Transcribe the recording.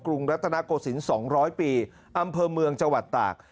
รุงรัฐนาโกศิลป์๒๐๐ปีอำเภอเมืองจังหวัดตาก